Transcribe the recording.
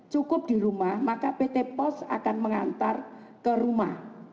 cukup di rumah maka pt pos akan mengantar ke rumah